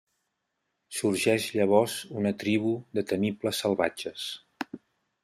Sorgeix llavors una tribu de temibles salvatges.